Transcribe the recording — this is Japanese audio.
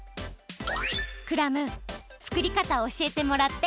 クラム作り方をおしえてもらって！